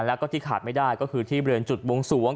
แล้วก็ที่ขาดไม่ได้ก็คือที่บริเวณจุดวงสวง